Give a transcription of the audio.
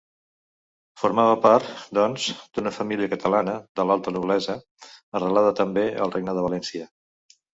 Formava part, doncs, d'una família catalana de l'alta noblesa, arrelada també al Regne de València.